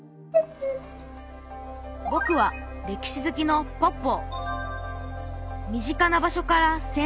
ぼくは歴史好きのポッポー。